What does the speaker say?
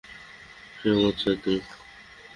সে আমার ছাত্রী।